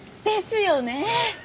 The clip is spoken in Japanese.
ですよねえ！